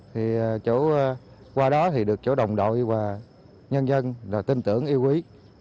thì qua đó thì được chỗ đồng đội và nhân dân là tin tưởng yêu quý